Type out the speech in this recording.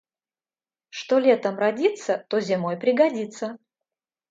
Что летом родится, то зимой пригодится.